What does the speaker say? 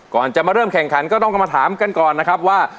ก่อนจะมาเริ่มแข่งขันก็ต้องกลับมาถามกันก่อนนะครับว่า